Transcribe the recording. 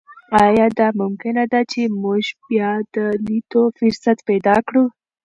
ایا دا ممکنه ده چې موږ بیا د لیدو فرصت پیدا کړو؟